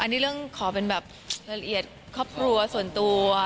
อันนี้เรื่องขอเป็นแบบละเอียดครอบครัวส่วนตัว